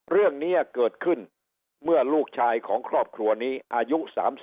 เรื่องนี้เกิดขึ้นเมื่อลูกชายของครอบครัวนี้อายุ๓๐